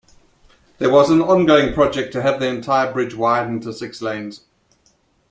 There was an ongoing project to have the entire bridge widened to six lanes.